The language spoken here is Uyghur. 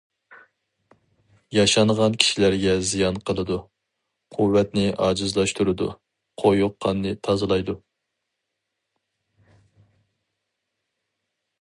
ياشانغان كىشىلەرگە زىيان قىلىدۇ، قۇۋۋەتنى ئاجىزلاشتۇرىدۇ، قويۇق قاننى تازىلايدۇ.